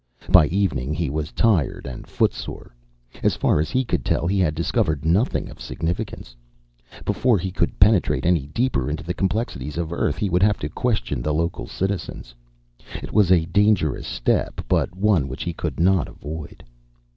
By evening, he was tired and footsore. As far as he could tell, he had discovered nothing of significance. Before he could penetrate any deeper into the complexities of Earth, he would have to question the local citizens. It was a dangerous step, but one which he could not avoid.